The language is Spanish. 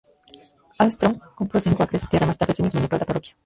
Armstrong compró cinco acres de tierra más tarde ese mismo año para la parroquia.